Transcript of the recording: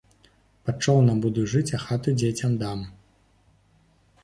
Пад чоўнам буду жыць, а хату дзецям дам!